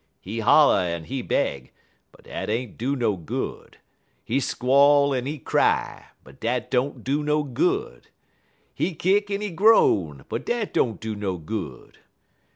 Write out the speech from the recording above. "He holler en he beg, but dat ain't do no good; he squall en he cry, but dat ain't do no good; he kick en he groan, but dat ain't do no good.